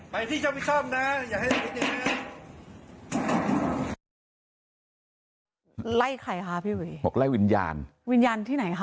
ไปที่ช้าวิทยาลัยอย่าให้สิ่งเดี๋ยวไล่ใครค่ะพี่วิหลายวิญญาณวิญญาณที่ไหนค่ะ